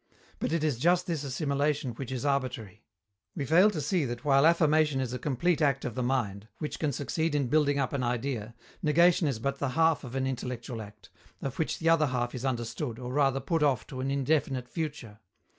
But it is just this assimilation which is arbitrary. We fail to see that while affirmation is a complete act of the mind, which can succeed in building up an idea, negation is but the half of an intellectual act, of which the other half is understood, or rather put off to an indefinite future.